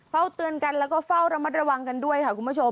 เฝ้าเตือนกันแล้วก็เฝ้าระมัดระวังกันด้วยค่ะคุณผู้ชม